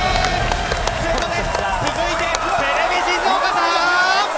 続いてテレビ静岡さん。